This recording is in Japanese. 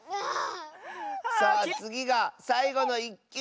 さあつぎがさいごの１きゅう！